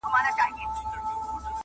• فکر بايد بدل سي ژر..